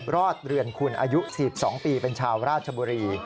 อดเรือนคุณอายุ๔๒ปีเป็นชาวราชบุรี